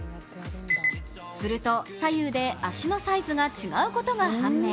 すると左右で足のサイズが違うことが判明。